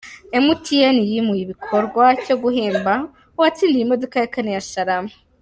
Emutiyene yimuye igikorwa cyo guhemba uwatsindiye imodoka ya kane ya Sharama